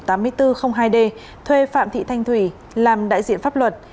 thuê phạm thị thanh thủy làm đại diện pháp luật